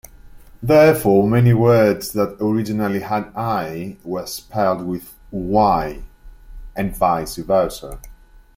Therefore, many words that originally had I were spelled with Y, and vice versa.